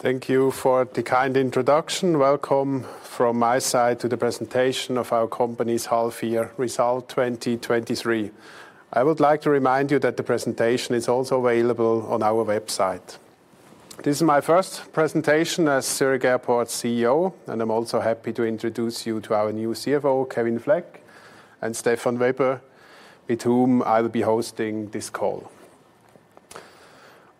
Thank you for the kind introduction. Welcome from my side to the presentation of our company's half year result 2023. I would like to remind you that the presentation is also available on our website. This is my first presentation as Zurich Airport CEO, and I'm also happy to introduce you to our new CFO, Kevin Fleck, and Stefan Weber, with whom I will be hosting this call.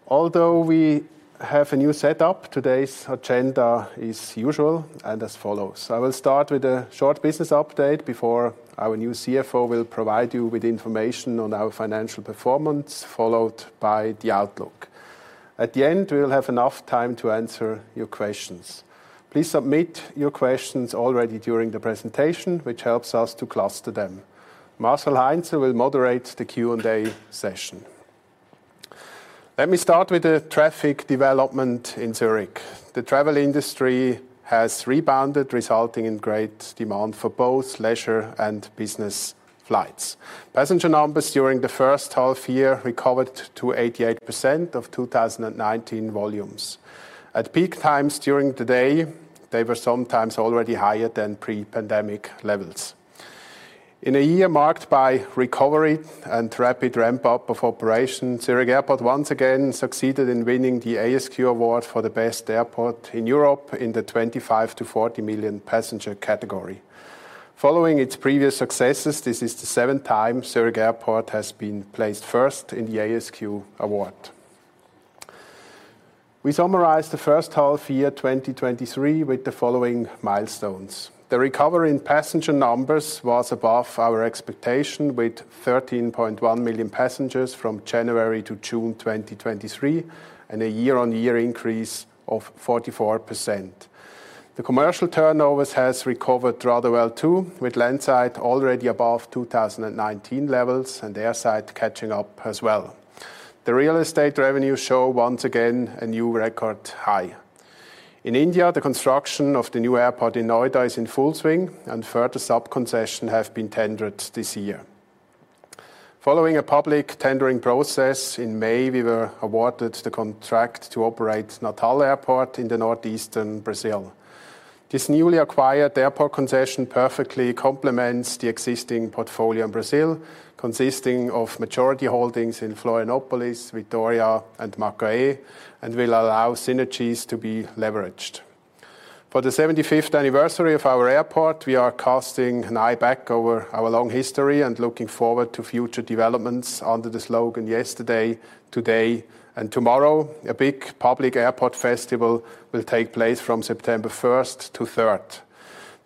Although we have a new setup, today's agenda is usual and as follows: I will start with a short business update before our new CFO will provide you with information on our financial performance, followed by the outlook. At the end, we will have enough time to answer your questions. Please submit your questions already during the presentation, which helps us to cluster them. Marcel Heinzer will moderate the Q&A session. Let me start with the traffic development in Zurich. The travel industry has rebounded, resulting in great demand for both leisure and business flights. Passenger numbers during the first half year recovered to 88% of 2019 volumes. At peak times during the day, they were sometimes already higher than pre-pandemic levels. In a year marked by recovery and rapid ramp-up of operations, Zurich Airport once again succeeded in winning the ASQ Award for the best airport in Europe in the 25-40 million passenger category. Following its previous successes, this is the seventh time Zurich Airport has been placed first in the ASQ Award. We summarized the first half year 2023 with the following milestones: The recovery in passenger numbers was above our expectation, with 13.1 million passengers from January to June 2023, and a year-on-year increase of 44%. The commercial turnovers has recovered rather well, too, with landside already above 2019 levels and airside catching up as well. The real estate revenues show once again a new record high. In India, the construction of the new airport in Noida is in full swing, and further subconcession have been tendered this year. Following a public tendering process in May, we were awarded the contract to operate Natal Airport in the northeastern Brazil. This newly acquired airport concession perfectly complements the existing portfolio in Brazil, consisting of majority holdings in Florianópolis, Vitória, and Macaé, and will allow synergies to be leveraged. For the 75th anniversary of our airport, we are casting an eye back over our long history and looking forward to future developments under the slogan, "Yesterday, today, and tomorrow." A big public airport festival will take place from September 1st to 3rd.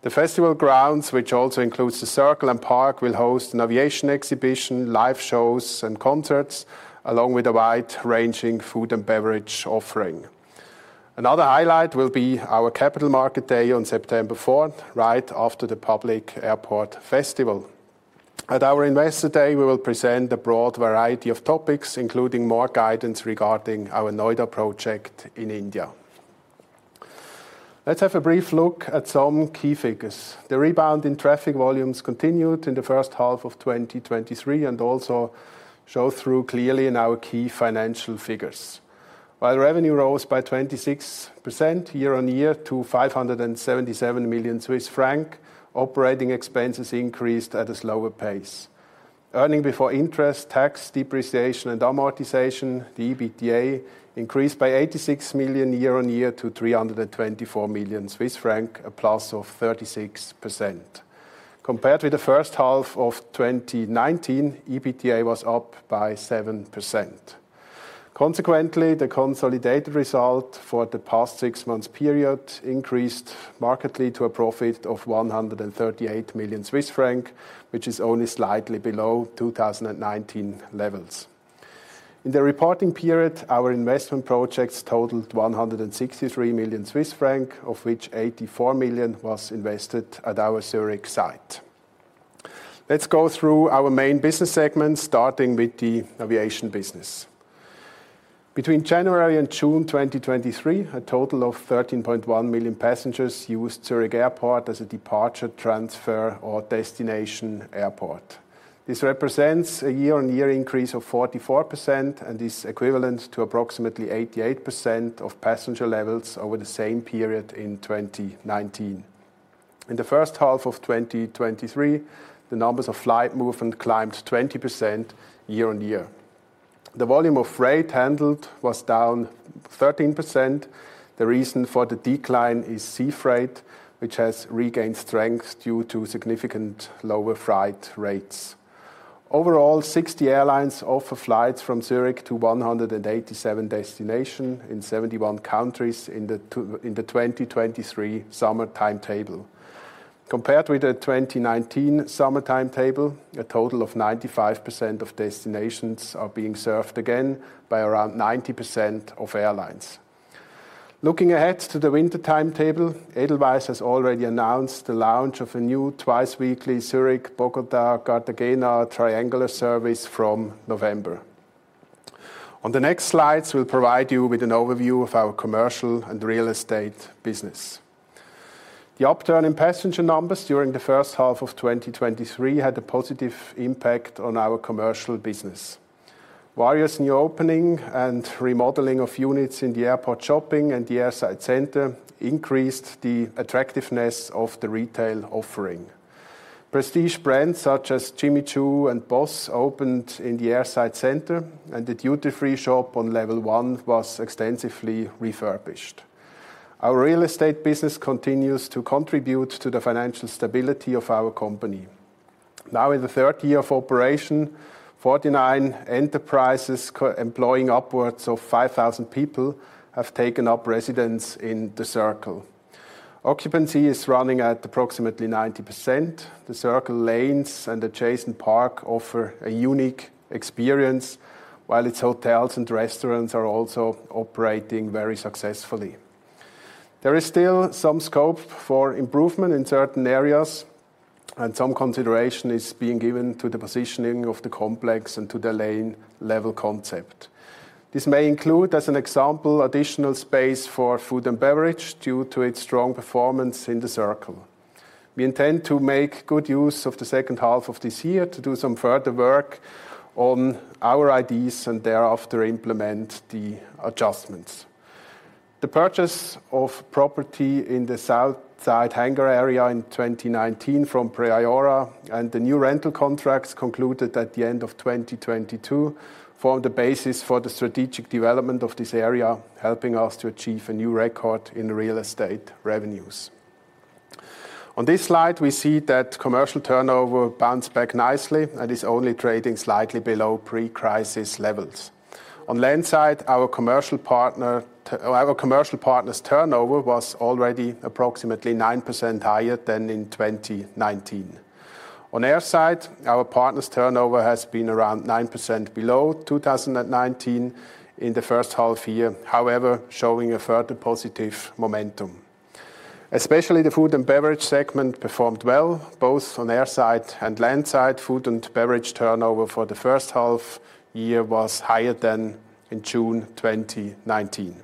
The festival grounds, which also includes The Circle and park, will host an aviation exhibition, live shows, and concerts, along with a wide-ranging food and beverage offering. Another highlight will be our Capital Market Day on September 4th, right after the public airport festival. At our Investor Day, we will present a broad variety of topics, including more guidance regarding our Noida project in India. Let's have a brief look at some key figures. The rebound in traffic volumes continued in the first half of 2023, and also show through clearly in our key financial figures. While revenue rose by 26% year-on-year to 577 million Swiss franc, operating expenses increased at a slower pace. Earnings before interest, tax, depreciation, and amortization, the EBITDA, increased by 86 million year-on-year to 324 million Swiss franc, a plus of 36%. Compared to the first half of 2019, EBITDA was up by 7%. Consequently, the consolidated result for the past six months period increased markedly to a profit of 138 million Swiss francs, which is only slightly below 2019 levels. In the reporting period, our investment projects totaled 163 million Swiss francs, of which 84 million was invested at our Zurich site. Let's go through our main business segments, starting with the aviation business. Between January and June 2023, a total of 13.1 million passengers used Zurich Airport as a departure, transfer, or destination airport. This represents a year-on-year increase of 44%, and is equivalent to approximately 88% of passenger levels over the same period in 2019. In the first half of 2023, the numbers of flight movements climbed 20% year-on-year. The volume of freight handled was down 13%. The reason for the decline is sea freight, which has regained strength due to significant lower freight rates. Overall, 60 airlines offer flights from Zurich to 187 destinations in 71 countries in the 2023 summer timetable. Compared with the 2019 summer timetable, a total of 95% of destinations are being served again by around 90% of airlines. Looking ahead to the winter timetable, Edelweiss has already announced the launch of a new twice-weekly Zurich-Bogotá-Cartagena triangular service from November. On the next slides, we'll provide you with an overview of our commercial and real estate business. The upturn in passenger numbers during the first half of 2023 had a positive impact on our commercial business. Various new opening and remodeling of units in the Airport Shopping and the Airside Center increased the attractiveness of the retail offering. Prestige brands such as Jimmy Choo and BOSS opened in the Airside Center, and the duty-free shop on level one was extensively refurbished. Our real estate business continues to contribute to the financial stability of our company. Now, in the third year of operation, 49 enterprises coemploying upwards of 5,000 people have taken up residence in The Circle. Occupancy is running at approximately 90%. The Circle lanes and adjacent park offer a unique experience, while its hotels and restaurants are also operating very successfully. There is still some scope for improvement in certain areas, and some consideration is being given to the positioning of the complex and to the lane level concept. This may include, as an example, additional space for food and beverage due to its strong performance in The Circle. We intend to make good use of the second half of this year to do some further work on our ideas and thereafter implement the adjustments. The purchase of property in the South Side Hangar area in 2019 from Priora, and the new rental contracts concluded at the end of 2022, form the basis for the strategic development of this area, helping us to achieve a new record in real estate revenues. On this slide, we see that commercial turnover bounced back nicely and is only trading slightly below pre-crisis levels. On landside, our commercial partner's turnover was already approximately 9% higher than in 2019. On airside, our partner's turnover has been around 9% below 2019 in the first half year, however, showing a further positive momentum. Especially the food and beverage segment performed well, both on airside and landside. Food and beverage turnover for the first half year was higher than in June 2019.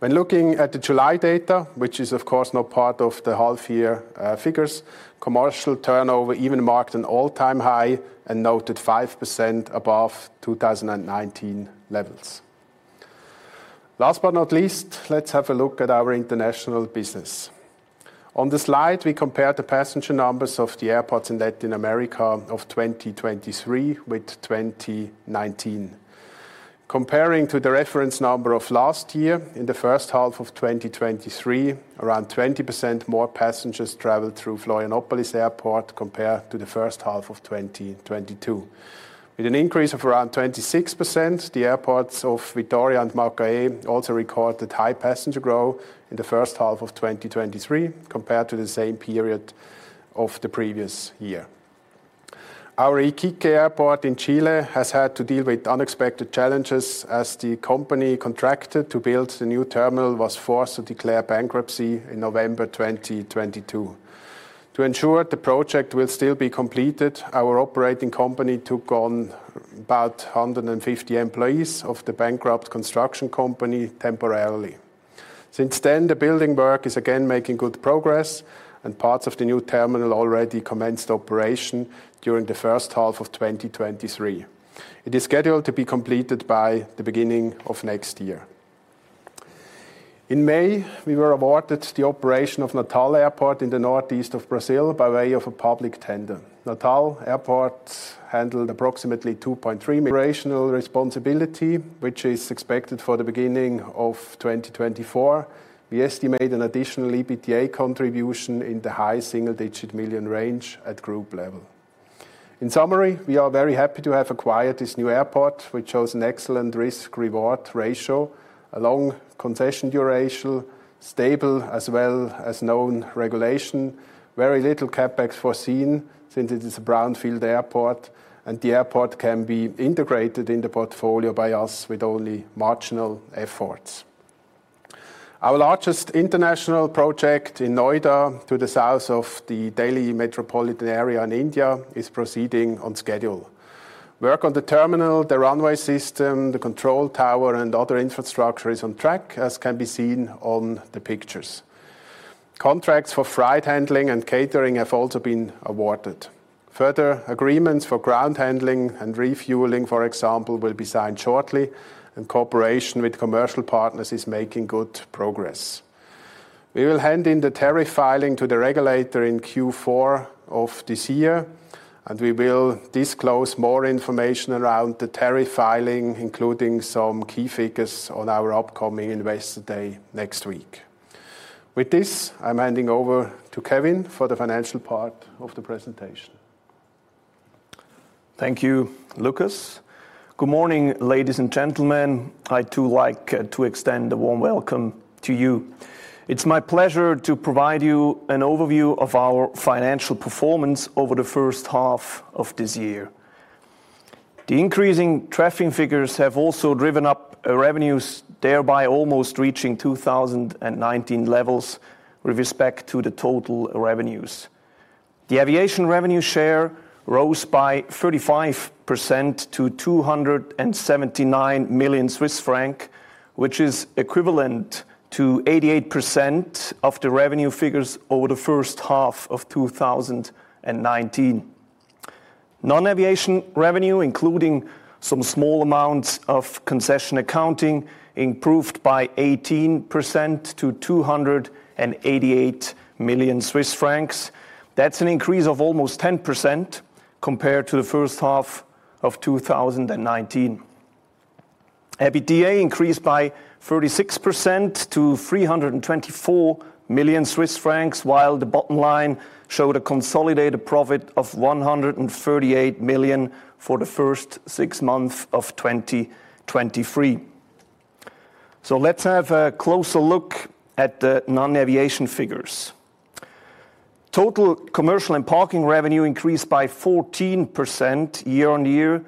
When looking at the July data, which is, of course, not part of the half year figures, commercial turnover even marked an all-time high and noted 5% above 2019 levels. Last but not least, let's have a look at our international business. On the slide, we compare the passenger numbers of the airports in Latin America of 2023 with 2019. Comparing to the reference number of last year, in the first half of 2023, around 20% more passengers traveled through Florianópolis Airport compared to the first half of 2022. With an increase of around 26%, the airports of Vitória and Macaé also recorded high passenger growth in the first half of 2023, compared to the same period of the previous year. Our Iquique Airport in Chile has had to deal with unexpected challenges, as the company contracted to build the new terminal was forced to declare bankruptcy in November 2022. To ensure the project will still be completed, our operating company took on about 150 employees of the bankrupt construction company temporarily. Since then, the building work is again making good progress, and parts of the new terminal already commenced operation during the first half of 2023. It is scheduled to be completed by the beginning of next year. In May, we were awarded the operation of Natal Airport in the northeast of Brazil by way of a public tender. Natal Airport handled approximately 2.3 million operational responsibility, which is expected for the beginning of 2024. We estimate an additional EBITDA contribution in the high single-digit million CHF range at group level. In summary, we are very happy to have acquired this new airport, which shows an excellent risk/reward ratio, a long concession duration, stable as well as known regulation, very little CapEx foreseen since it is a brownfield airport, and the airport can be integrated in the portfolio by us with only marginal efforts. Our largest international project in Noida, to the south of the Delhi metropolitan area in India, is proceeding on schedule. Work on the terminal, the runway system, the control tower, and other infrastructure is on track, as can be seen on the pictures. Contracts for freight handling and catering have also been awarded. Further agreements for ground handling and refueling, for example, will be signed shortly, and cooperation with commercial partners is making good progress. We will hand in the tariff filing to the regulator in Q4 of this year, and we will disclose more information around the tariff filing, including some key figures, on our upcoming Investor Day next week. With this, I'm handing over to Kevin for the financial part of the presentation. Thank you, Lukas. Good morning, ladies and gentlemen. I, too, like to extend a warm welcome to you. It's my pleasure to provide you an overview of our financial performance over the first half of this year. The increasing traffic figures have also driven up revenues, thereby almost reaching 2019 levels with respect to the total revenues. The aviation revenue share rose by 35% to 279 million Swiss franc, which is equivalent to 88% of the revenue figures over the first half of 2019. Non-aviation revenue, including some small amounts of concession accounting, improved by 18% to 288 million Swiss francs. That's an increase of almost 10% compared to the first half of 2019. EBITDA increased by 36% to 324 million Swiss francs, while the bottom line showed a consolidated profit of 138 million for the first six months of 2023. So let's have a closer look at the non-aviation figures. Total commercial and parking revenue increased by 14% year-on-year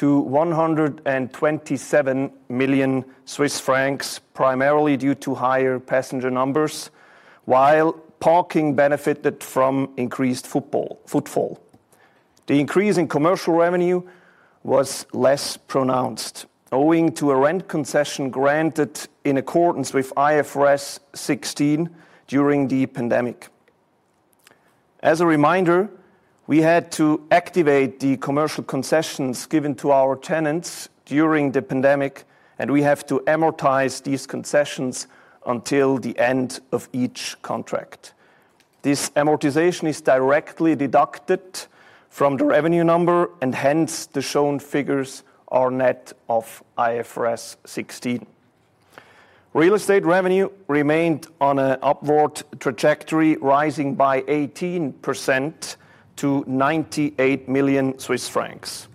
to 127 million Swiss francs, primarily due to higher passenger numbers, while parking benefited from increased footfall. The increase in commercial revenue was less pronounced, owing to a rent concession granted in accordance with IFRS 16 during the pandemic. As a reminder, we had to activate the commercial concessions given to our tenants during the pandemic, and we have to amortize these concessions until the end of each contract. This amortization is directly deducted from the revenue number, and hence the shown figures are net of IFRS 16. Real estate revenue remained on an upward trajectory, rising by 18% to 98 million Swiss francs.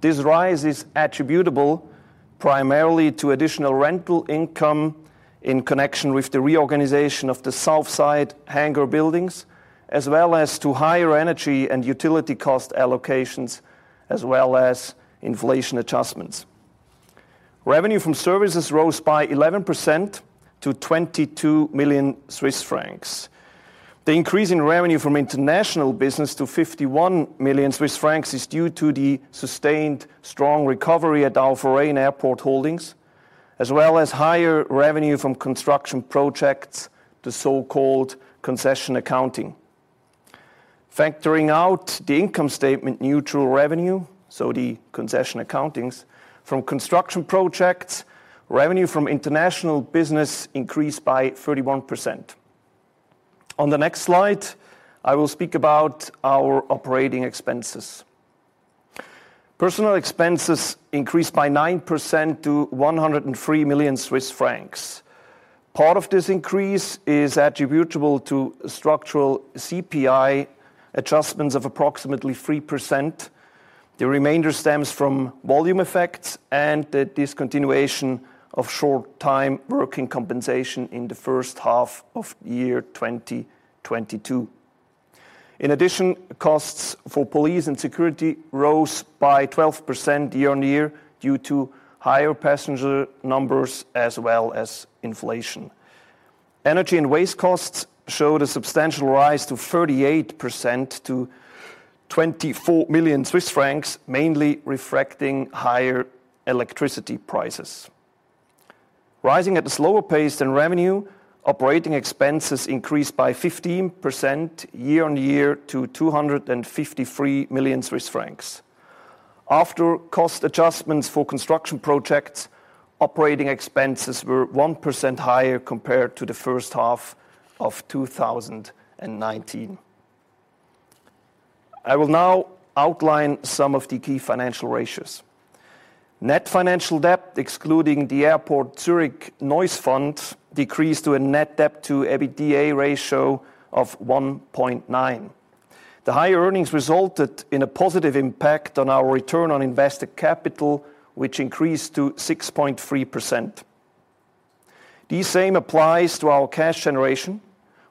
This rise is attributable primarily to additional rental income in connection with the reorganization of the south side hangar buildings, as well as to higher energy and utility cost allocations, as well as inflation adjustments. Revenue from services rose by 11% to 22 million Swiss francs. The increase in revenue from international business to 51 million Swiss francs is due to the sustained strong recovery at A-port Airport Holdings, as well as higher revenue from construction projects, the so-called concession accounting. Factoring out the income statement, neutral revenue, so the concession accountings from construction projects, revenue from international business increased by 31%. On the next slide, I will speak about our operating expenses. Personnel expenses increased by 9% to 103 million Swiss francs. Part of this increase is attributable to structural CPI adjustments of approximately 3%. The remainder stems from volume effects and the discontinuation of short-time working compensation in the first half of 2022. In addition, costs for police and security rose by 12% year-on-year due to higher passenger numbers, as well as inflation. Energy and waste costs showed a substantial rise to 38% to 24 million Swiss francs, mainly reflecting higher electricity prices. Rising at a slower pace than revenue, operating expenses increased by 15% year-on-year to 253 million Swiss francs. After cost adjustments for construction projects, operating expenses were 1% higher compared to the first half of 2019. I will now outline some of the key financial ratios. Net financial debt, excluding the Airport Zurich Noise Fund, decreased to a net debt to EBITDA ratio of 1.9. The higher earnings resulted in a positive impact on our return on invested capital, which increased to 6.3%. The same applies to our cash generation,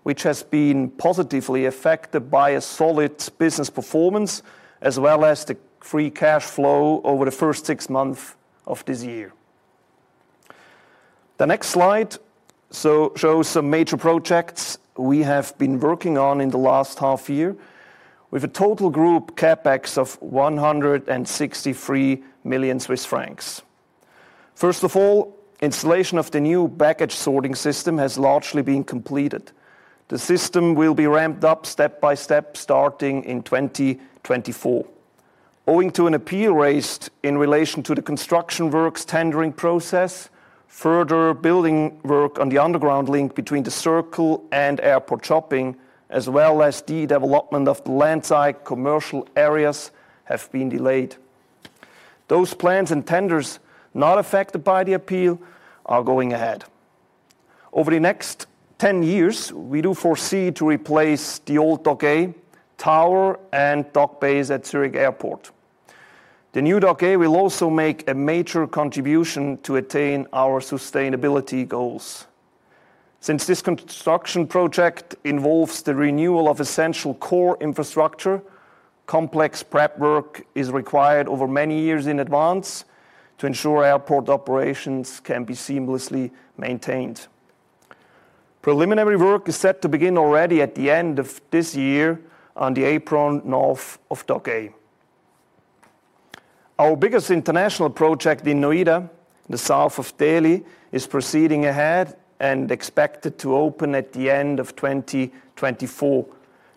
which has been positively affected by a solid business performance, as well as the free cash flow over the first six months of this year. The next slide shows some major projects we have been working on in the last half year with a total group CapEx of 163 million Swiss francs. First of all, installation of the new baggage sorting system has largely been completed. The system will be ramped up step by step, starting in 2024. Owing to an appeal raised in relation to the construction works tendering process, further building work on the underground link between The Circle and Airport Shopping, as well as the development of the landside commercial areas, have been delayed. Those plans and tenders not affected by the appeal are going ahead. Over the next 10 years, we do foresee to replace the old Dock A tower and dock bays at Zurich Airport. The new Dock A will also make a major contribution to attain our sustainability goals. Since this construction project involves the renewal of essential core infrastructure, complex prep work is required over many years in advance to ensure airport operations can be seamlessly maintained. Preliminary work is set to begin already at the end of this year on the apron north of Dock A. Our biggest international project in Noida, in the south of Delhi, is proceeding ahead and expected to open at the end of 2024.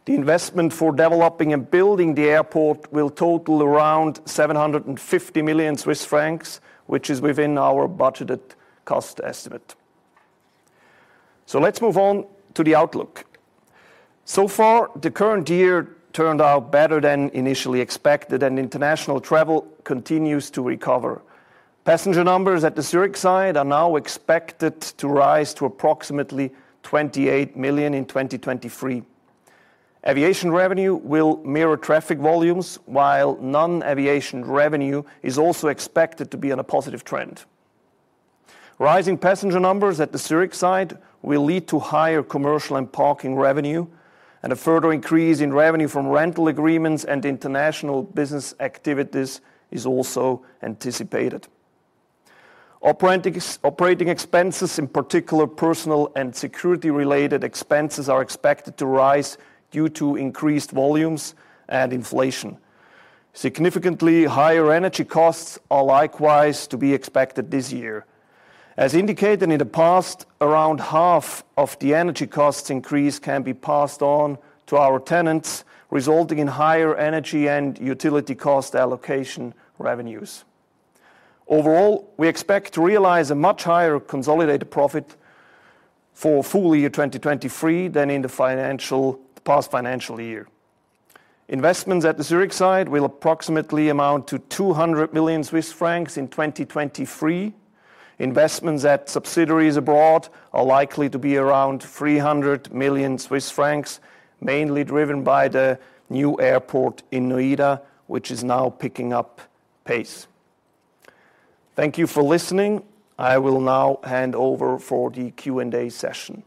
The investment for developing and building the airport will total around 750 million Swiss francs, which is within our budgeted cost estimate. So let's move on to the outlook. So far, the current year turned out better than initially expected, and international travel continues to recover. Passenger numbers at the Zurich side are now expected to rise to approximately 28 million in 2023. Aviation revenue will mirror traffic volumes, while non-aviation revenue is also expected to be on a positive trend. Rising passenger numbers at the Zurich side will lead to higher commercial and parking revenue, and a further increase in revenue from rental agreements and international business activities is also anticipated. Operating expenses, in particular, personal and security-related expenses, are expected to rise due to increased volumes and inflation. Significantly higher energy costs are likewise to be expected this year. As indicated in the past, around half of the energy costs increase can be passed on to our tenants, resulting in higher energy and utility cost allocation revenues. Overall, we expect to realize a much higher consolidated profit for full year 2023 than in the past financial year. Investments at the Zurich side will approximately amount to 200 million Swiss francs in 2023. Investments at subsidiaries abroad are likely to be around 300 million Swiss francs, mainly driven by the new airport in Noida, which is now picking up pace. Thank you for listening. I will now hand over for the Q&A session.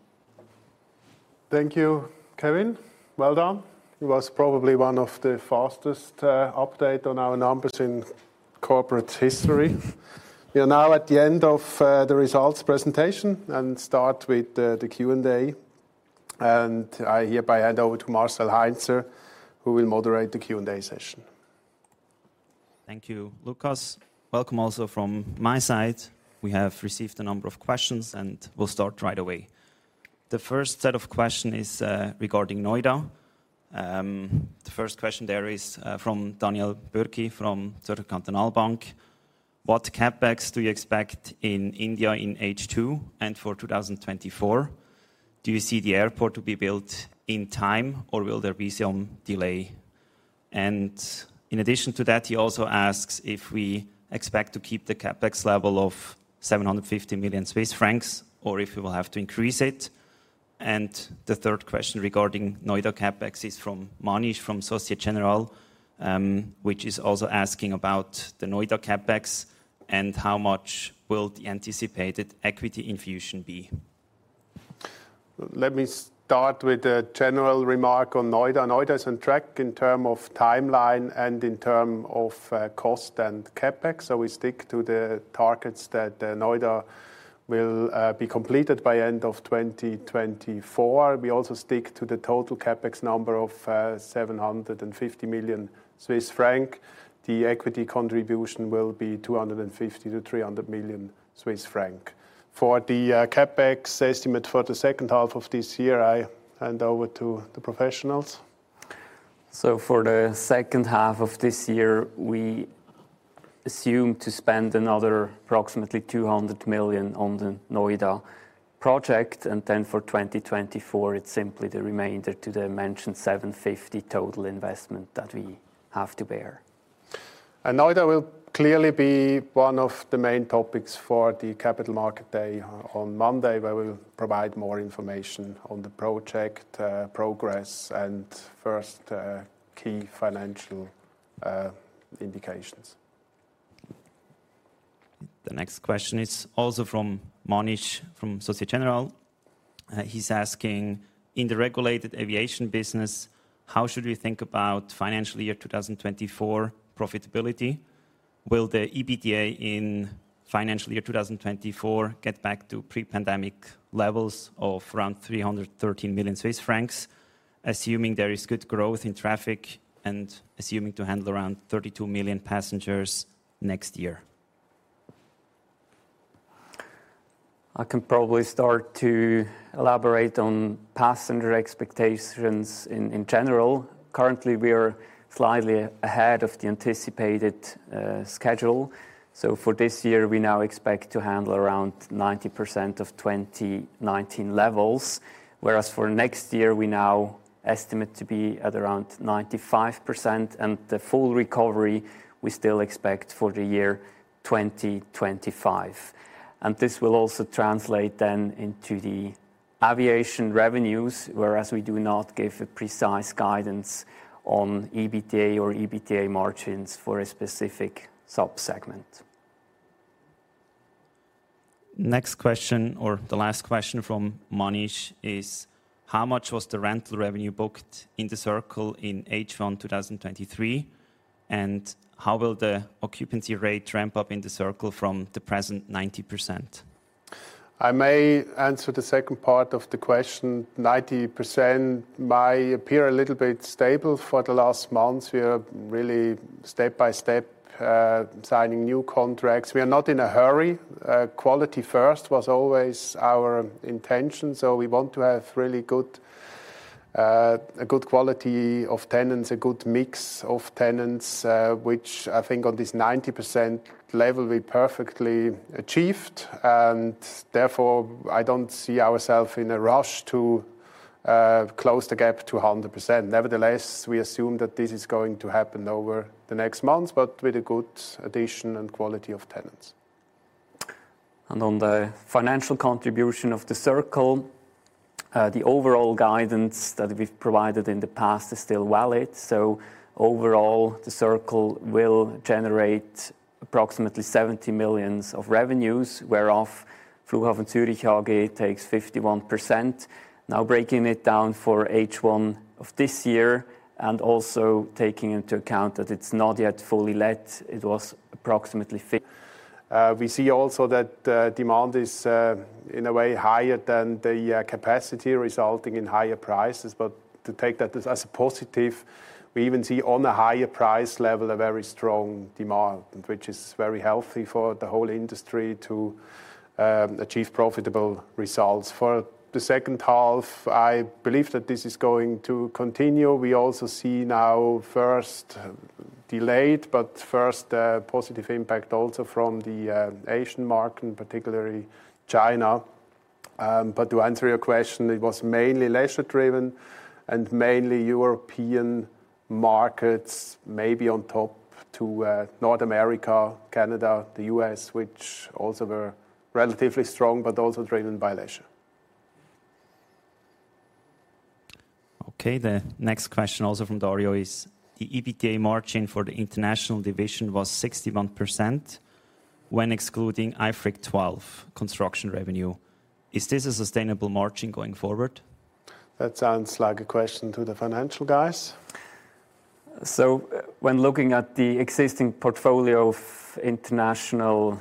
Thank you, Kevin. Well done. It was probably one of the fastest update on our numbers in corporate history. We are now at the end of the results presentation, and start with the Q&A. I hereby hand over to Marcel Heinzer, who will moderate the Q&A session. Thank you, Lukas. Welcome also from my side. We have received a number of questions, and we'll start right away. The first set of question is, regarding Noida. The first question there is, from Daniel Bürki, from Zürcher Kantonalbank: What CapEx do you expect in India in H2 and for 2024? Do you see the airport to be built in time, or will there be some delay? And in addition to that, he also asks if we expect to keep the CapEx level of 750 million Swiss francs, or if we will have to increase it. And the third question regarding Noida CapEx is from Manish, from Société Générale, which is also asking about the Noida CapEx, and how much will the anticipated equity infusion be? Let me start with a general remark on Noida. Noida is on track in terms of timeline and in terms of cost and CapEx. So we stick to the targets that Noida will be completed by end of 2024. We also stick to the total CapEx number of 750 million Swiss franc. The equity contribution will be 250-300 million Swiss franc. For the CapEx estimate for the second half of this year, I hand over to the professionals. For the second half of this year, we assume to spend another approximately 200 million on the Noida project, and then for 2024, it's simply the remainder to the mentioned 750 million total investment that we have to bear. Noida will clearly be one of the main topics for the Capital Market Day on Monday, where we'll provide more information on the project progress, and first key financial indications. The next question is also from Manish, from Société Générale. He's asking: In the regulated aviation business, how should we think about financial year 2024 profitability? Will the EBITDA in financial year 2024 get back to pre-pandemic levels of around 313 million Swiss francs, assuming there is good growth in traffic and assuming to handle around 32 million passengers next year? I can probably start to elaborate on passenger expectations in general. Currently, we are slightly ahead of the anticipated schedule. So for this year, we now expect to handle around 90% of 2019 levels, whereas for next year, we now estimate to be at around 95%, and the full recovery we still expect for the year 2025. And this will also translate then into the aviation revenues, whereas we do not give a precise guidance on EBITDA or EBITDA margins for a specific sub-segment. Next question, or the last question from Manish, is: How much was the rental revenue booked in The Circle in H1 2023? And how will the occupancy rate ramp up in The Circle from the present 90%? I may answer the second part of the question. 90% might appear a little bit stable for the last months. We are really step by step, signing new contracts. We are not in a hurry. Quality first was always our intention, so we want to have really good, a good quality of tenants, a good mix of tenants, which I think on this 90% level, we perfectly achieved. And therefore, I don't see ourselves in a rush to, close the gap to 100%. Nevertheless, we assume that this is going to happen over the next months, but with a good addition and quality of tenants. On the financial contribution of The Circle, the overall guidance that we've provided in the past is still valid. Overall, The Circle will generate approximately 70 million of revenues, whereof Flughafen Zürich AG takes 51%. Now, breaking it down for H1 of this year and also taking into account that it's not yet fully let, it was approximately fi- We see also that demand is in a way higher than the capacity, resulting in higher prices. But to take that as a positive, we even see on a higher price level a very strong demand, which is very healthy for the whole industry to achieve profitable results. For the second half, I believe that this is going to continue. We also see now first delayed, but first positive impact also from the Asian market, and particularly China. But to answer your question, it was mainly leisure driven and mainly European markets, maybe on top to North America, Canada, the U.S., which also were relatively strong, but also driven by leisure. Okay. The next question, also from Dario, is: the EBITDA margin for the international division was 61% when excluding IFRIC 12 construction revenue. Is this a sustainable margin going forward? That sounds like a question to the financial guys. So when looking at the existing portfolio of international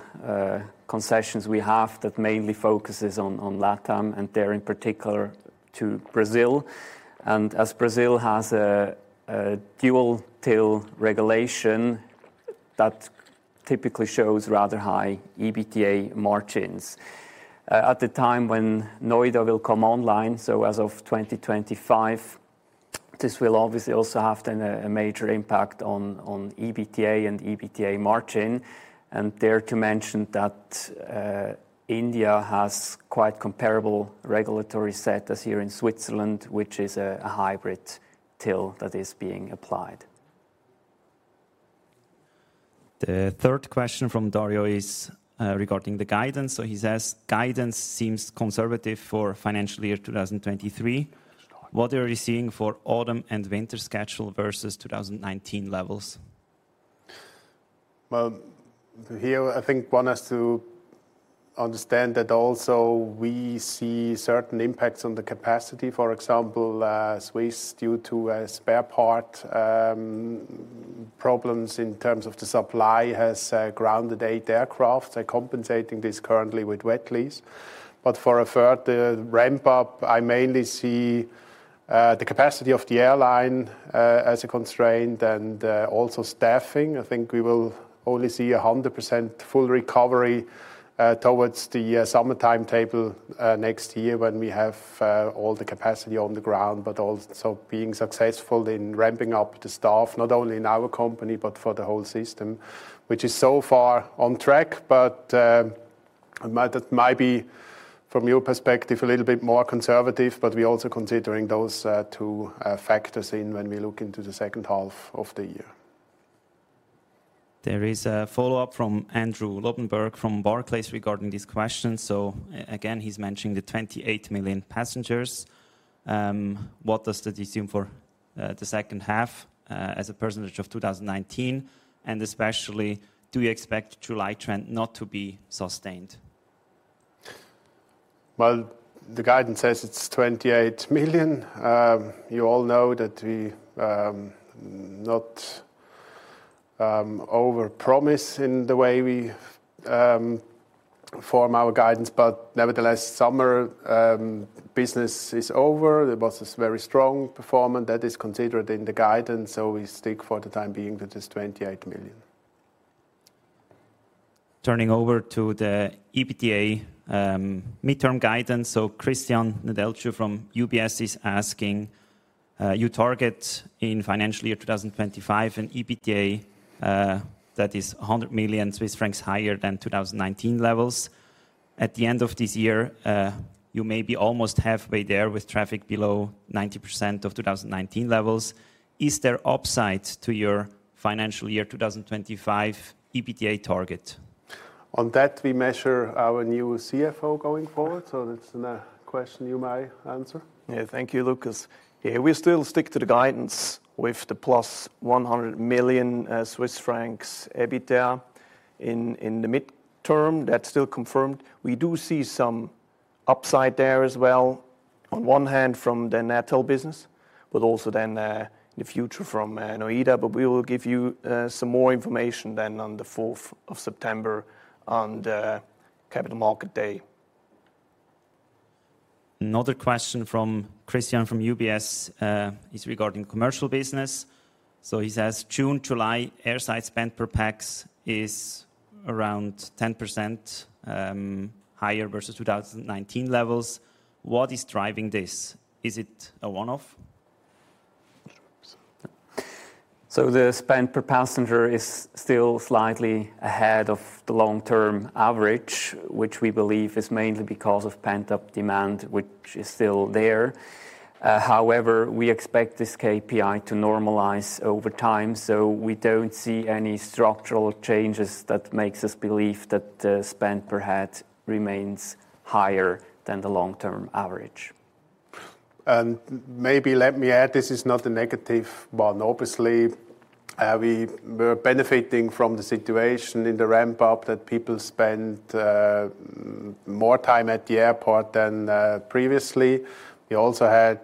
concessions we have, that mainly focuses on Latam, and there in particular to Brazil. And as Brazil has a dual till regulation, that typically shows rather high EBITDA margins. At the time when Noida will come online, so as of 2025, this will obviously also have then a major impact on EBITDA and EBITDA margin. And dare to mention that, India has quite comparable regulatory set as here in Switzerland, which is a hybrid till that is being applied. The third question from Dario is regarding the guidance. So he says: Guidance seems conservative for financial year 2023. What are you seeing for autumn and winter schedule versus 2019 levels? Well, here, I think one has to understand that also we see certain impacts on the capacity. For example, Swiss, due to spare part problems in terms of the supply, has grounded eight aircraft. They're compensating this currently with wet lease. But for a further ramp up, I mainly see the capacity of the airline as a constraint and also staffing. I think we will only see a 100% full recovery towards the summertime table next year when we have all the capacity on the ground, but also being successful in ramping up the staff, not only in our company, but for the whole system, which is so far on track. But that might be, from your perspective, a little bit more conservative, but we're also considering those two factors in when we look into the second half of the year. There is a follow-up from Andrew Lobenberg from Barclays regarding this question. So again, he's mentioning the 28 million passengers. What does that assume for the second half, as a percentage of 2019? And especially, do you expect July trend not to be sustained? Well, the guidance says it's 28 million. You all know that we not overpromise in the way we form our guidance, but nevertheless, summer business is over. There was this very strong performance that is considered in the guidance, so we stick for the time being, that is 28 million. Turning over to the EBITDA, midterm guidance. So Christian Nedelcu from UBS is asking: you target in financial year 2025, an EBITDA that is 100 million Swiss francs higher than 2019 levels. At the end of this year, you may be almost halfway there, with traffic below 90% of 2019 levels. Is there upside to your financial year 2025 EBITDA target? On that, we measure our new CFO going forward, so that's a question you may answer. Yeah. Thank you, Lukas. Yeah, we still stick to the guidance with the +100 million Swiss francs EBITDA in the midterm. That's still confirmed. We do see some...... upside there as well, on one hand, from the Natal business, but also then, in the future from, Noida. But we will give you, some more information then on the 4th of September on the Capital Market Day. Another question from Christian, from UBS, is regarding commercial business. So he says, June, July, airside spend per pax is around 10% higher versus 2019 levels. What is driving this? Is it a one-off? So the spend per passenger is still slightly ahead of the long-term average, which we believe is mainly because of pent-up demand, which is still there. However, we expect this KPI to normalize over time, so we don't see any structural changes that makes us believe that the spend per head remains higher than the long-term average. Maybe let me add, this is not a negative one. Obviously, we were benefiting from the situation in the ramp up, that people spent more time at the airport than previously. We also had,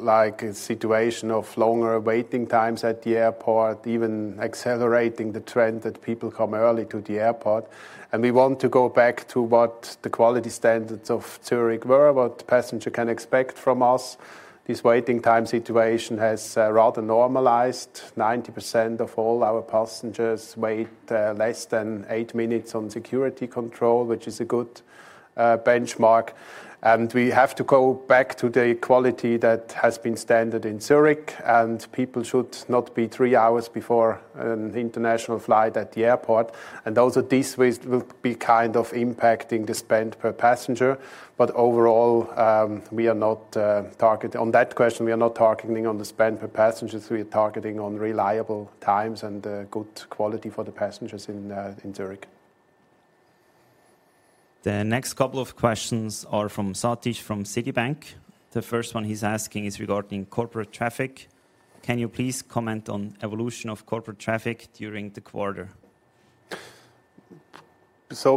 like a situation of longer waiting times at the airport, even accelerating the trend that people come early to the airport. We want to go back to what the quality standards of Zurich were, what the passenger can expect from us. This waiting time situation has rather normalized. 90% of all our passengers wait less than eight minutes on security control, which is a good benchmark. We have to go back to the quality that has been standard in Zurich, and people should not be three hours before an international flight at the airport. And also, this will be kind of impacting the spend per passenger, but overall, we are not targeting on the spend per passenger. On that question, we are not targeting on the spend per passenger. We are targeting on reliable times and good quality for the passengers in Zurich. The next couple of questions are from Sathish, from Citibank. The first one he's asking is regarding corporate traffic. Can you please comment on evolution of corporate traffic during the quarter?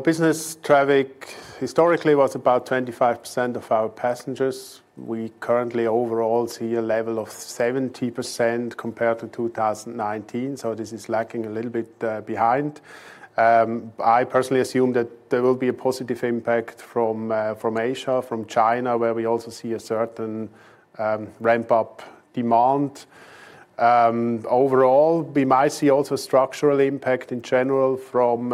Business traffic historically was about 25% of our passengers. We currently overall see a level of 70% compared to 2019, so this is lagging a little bit behind. I personally assume that there will be a positive impact from Asia, from China, where we also see a certain ramp-up demand. Overall, we might see also structural impact in general from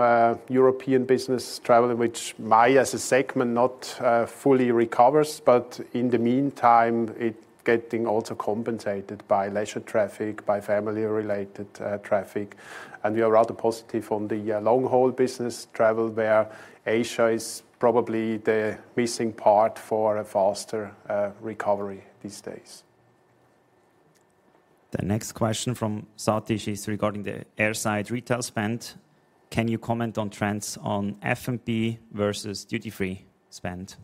European business travel, which may, as a segment, not fully recovers, but in the meantime, it getting also compensated by leisure traffic, by family-related traffic. We are rather positive on the long-haul business travel, where Asia is probably the missing part for a faster recovery these days. The next question from Sathish is regarding the airside retail spend. Can you comment on trends on F&B versus duty-free spend?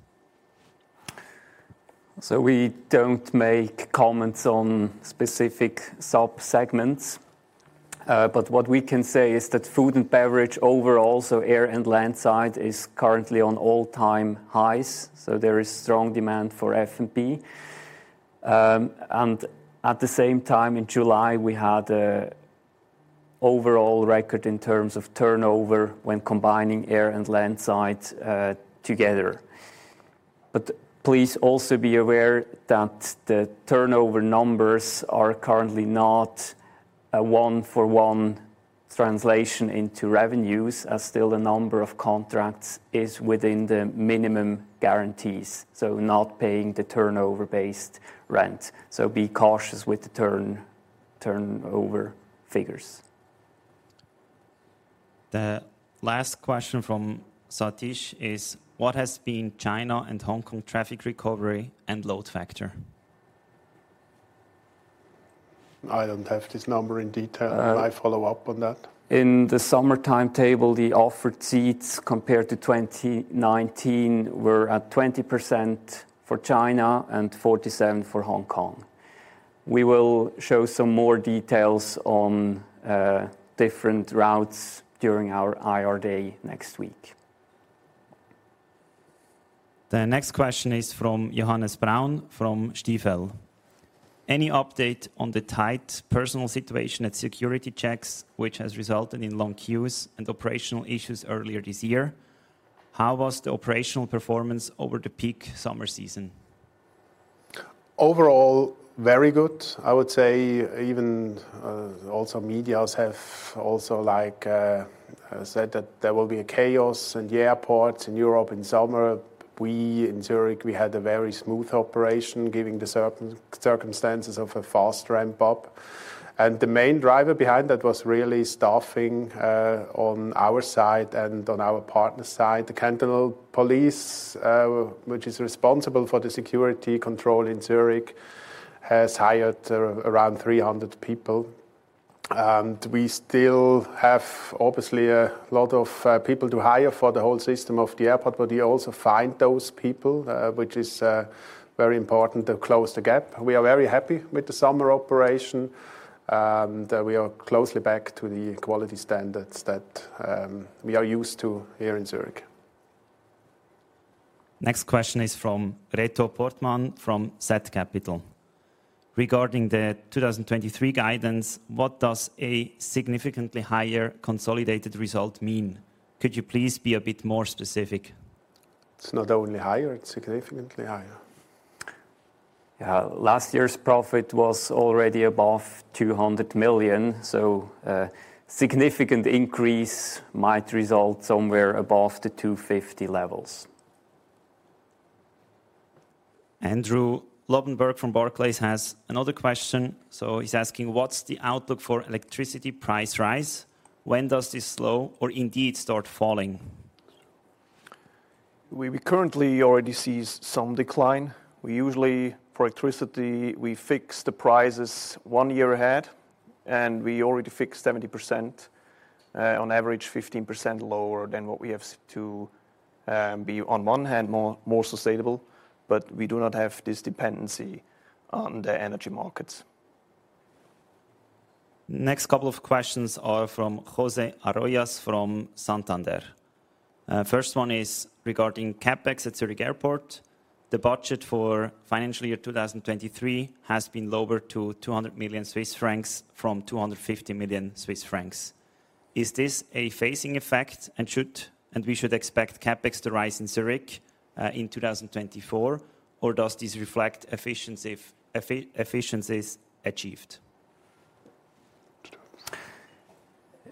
So we don't make comments on specific subsegments. But what we can say is that food and beverage overall, so air and landside, is currently on all-time highs, so there is strong demand for F&B. And at the same time, in July, we had an overall record in terms of turnover when combining Air and landside together. But please also be aware that the turnover numbers are currently not a one-for-one translation into revenues, as still a number of contracts is within the minimum guarantees, so not paying the turnover-based rent. So be cautious with the turnover figures. The last question from Sathish is: What has been China and Hong Kong traffic recovery and load factor? I don't have this number in detail. I follow up on that. In the summertime table, the offered seats compared to 2019 were at 20% for China and 47% for Hong Kong. We will show some more details on different routes during our IR day next week. The next question is from Johannes Braun, from Stifel. Any update on the tight personal situation at security checks, which has resulted in long queues and operational issues earlier this year? How was the operational performance over the peak summer season? Overall, very good. I would say even also media has said that there will be a chaos in the airports in Europe in summer. We in Zurich, we had a very smooth operation, given the circumstances of a fast ramp up. And the main driver behind that was really staffing on our side and on our partner side. The Cantonal Police, which is responsible for the security control in Zurich, has hired around 300 people. And we still have obviously a lot of people to hire for the whole system of the airport, but we also find those people, which is very important to close the gap. We are very happy with the summer operation, and we are closely back to the quality standards that we are used to here in Zurich.... Next question is from Reto Portmann, from zCapital. Regarding the 2023 guidance, what does a significantly higher consolidated result mean? Could you please be a bit more specific? It's not only higher, it's significantly higher. Yeah, last year's profit was already above 200 million, so, significant increase might result somewhere above the 250 levels. Andrew Lobbenberg from Barclays has another question. So he's asking: What's the outlook for electricity price rise? When does this slow or indeed start falling? We currently already see some decline. We usually, for electricity, we fix the prices one year ahead, and we already fixed 70%, on average, 15% lower than what we have to be on one hand, more sustainable, but we do not have this dependency on the energy markets. Next couple of questions are from Jose Arroyas from Santander. First one is regarding CapEx at Zurich Airport. The budget for financial year 2023 has been lowered to 200 million Swiss francs from 250 million Swiss francs. Is this a phasing effect, and we should expect CapEx to rise in Zurich in 2024, or does this reflect efficiency, efficiencies achieved?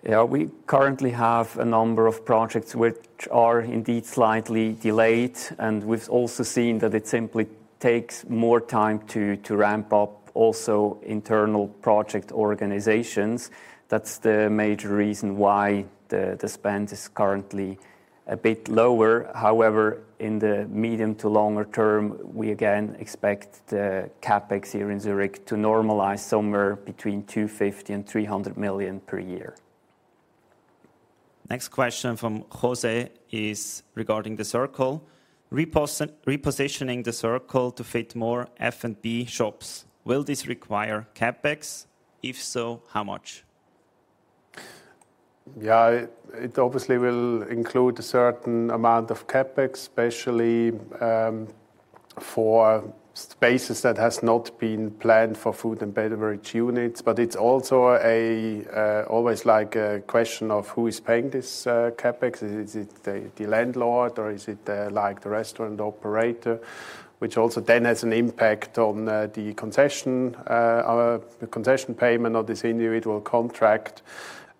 Yeah, we currently have a number of projects which are indeed slightly delayed, and we've also seen that it simply takes more time to, to ramp up also internal project organizations. That's the major reason why the, the spend is currently a bit lower. However, in the medium to longer term, we again expect the CapEx here in Zurich to normalize somewhere between 250 million and 300 million per year. Next question from Jose is regarding the Circle. Repositioning the Circle to fit more F&B shops, will this require CapEx? If so, how much? Yeah, it obviously will include a certain amount of CapEx, especially for spaces that has not been planned for food and beverage units. But it's also always like a question of who is paying this CapEx. Is it the landlord or is it like the restaurant operator? Which also then has an impact on the concession or the concession payment of this individual contract.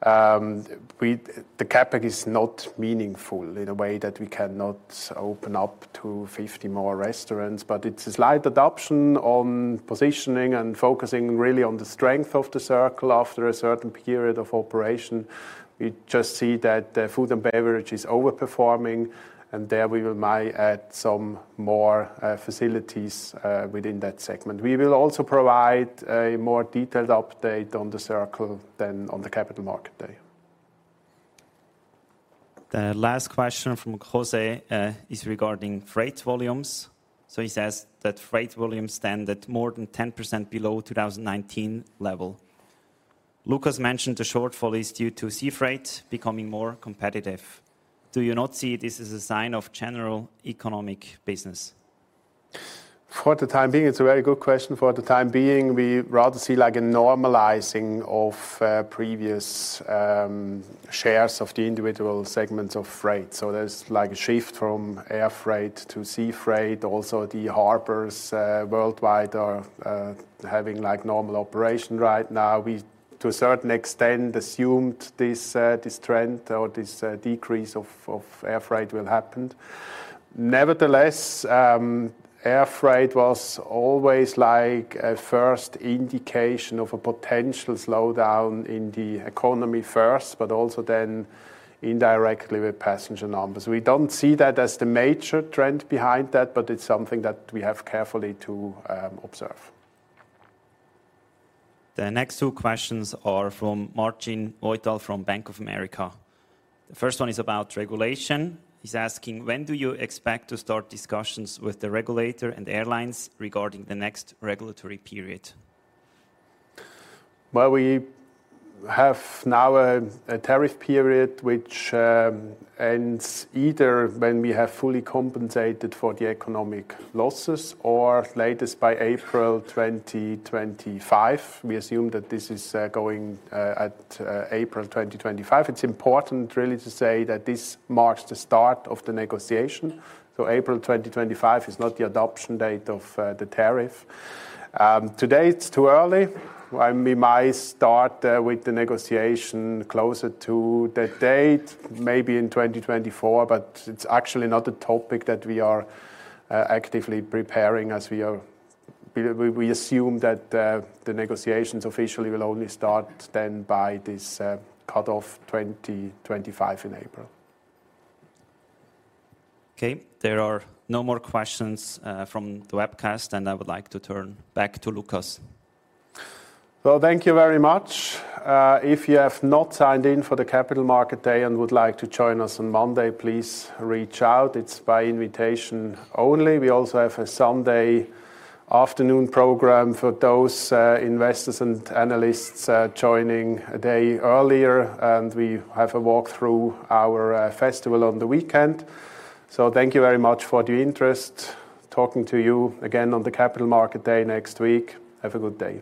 The CapEx is not meaningful in a way that we cannot open up to 50 more restaurants, but it's a slight adoption on positioning and focusing really on the strength of The Circle after a certain period of operation. We just see that the food and beverage is overperforming, and there we will might add some more facilities within that segment. We will also provide a more detailed update on The Circle than on the Capital Market Day. The last question from Jose is regarding freight volumes. So he says that freight volumes stand at more than 10% below 2019 level. Lukas mentioned the shortfall is due to sea freight becoming more competitive. Do you not see this as a sign of general economic business? For the time being, it's a very good question. For the time being, we rather see like a normalizing of previous shares of the individual segments of freight. So there's like a shift from air freight to sea freight. Also, the harbors worldwide are having, like, normal operation right now. We, to a certain extent, assumed this this trend or this decrease of air freight will happen. Nevertheless, air freight was always like a first indication of a potential slowdown in the economy first, but also then indirectly with passenger numbers. We don't see that as the major trend behind that, but it's something that we have carefully to observe. The next two questions are from Marcin Wojtal from Bank of America. The first one is about regulation. He's asking: When do you expect to start discussions with the regulator and airlines regarding the next regulatory period? Well, we have now a tariff period, which ends either when we have fully compensated for the economic losses or latest by April 2025. We assume that this is going at April 2025. It's important really to say that this marks the start of the negotiation, so April 2025 is not the adoption date of the tariff. Today, it's too early. We might start with the negotiation closer to that date, maybe in 2024, but it's actually not a topic that we are actively preparing as we assume that the negotiations officially will only start then by this cutoff 2025 in April. Okay, there are no more questions from the webcast, and I would like to turn back to Lukas. Well, thank you very much. If you have not signed in for the Capital Market Day and would like to join us on Monday, please reach out. It's by invitation only. We also have a Sunday afternoon program for those investors and analysts joining a day earlier, and we have a walk-through our festival on the weekend. So thank you very much for the interest. Talking to you again on the Capital Market Day next week. Have a good day.